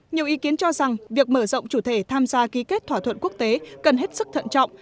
nhiều ý kiến cho rằng việc mở rộng chủ thể tham gia ký kết thỏa thuận quốc tế cần hết sức thận trọng